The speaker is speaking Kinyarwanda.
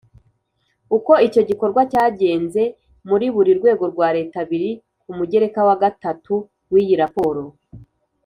Uko icyo gikorwa cyagenze muri buri rwego rwa Leta biri ku mugereka wa gatatu w iyi raporo